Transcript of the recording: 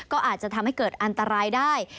ก็อาจจะทำให้เกิดอันตรายได้